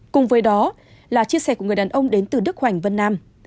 cùng với đó là chia sẻ của người đàn ông đến từ đức hoành vân nam